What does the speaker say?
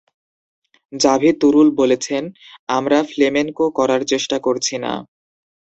Xavi Turull বলেছেন, আমরা flamenco করার চেষ্টা করছি না।